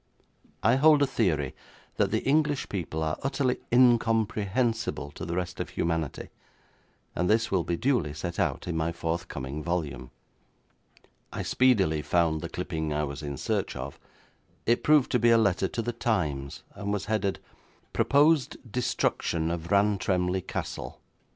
I hold a theory that the English people are utterly incomprehensible to the rest of humanity, and this will be duly set out in my forthcoming volume. I speedily found the clipping I was in search of. It proved to be a letter to the Times, and was headed: 'Proposed Destruction of Rantremly Castle'.